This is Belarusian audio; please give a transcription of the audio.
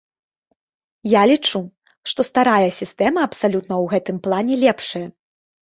Я лічу, што старая сістэма абсалютна ў гэтым плане лепшая.